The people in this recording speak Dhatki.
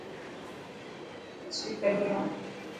تصوير ڪڌي آءِ.